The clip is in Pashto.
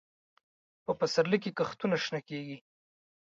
په پسرلي کې کښتونه شنه کېږي.